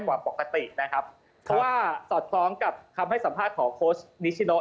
กว่าปกตินะครับเพราะว่าสอดคล้องกับคำให้สัมภาษณ์ของโค้ชนิชิโน